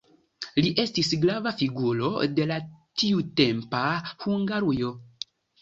Li estis grava figuro de la tiutempa Hungarujo.